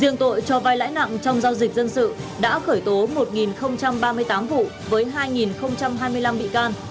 riêng tội cho vai lãi nặng trong giao dịch dân sự đã khởi tố một ba mươi tám vụ với hai hai mươi năm bị can